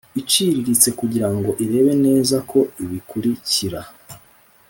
iciriritse kugira ngo irebe neza ko ibikurikira